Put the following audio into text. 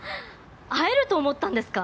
会えると思ったんですか？